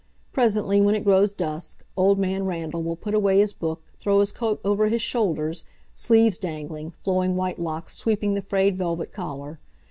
Presently, when it grows dusk, Old Man Randall will put away his book, throw his coat over his shoulders, sleeves dangling, flowing white locks sweeping the frayed velvet collar.